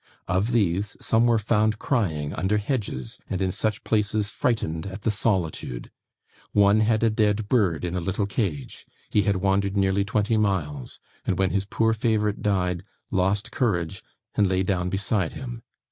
Of these, some were found crying under hedges and in such places, frightened at the solitude. One had a dead bird in a little cage; he had wandered nearly twenty miles, and when his poor favourite died, lost courage, and lay down beside him.